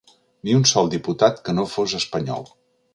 Ni un sol diputat que no fos espanyol.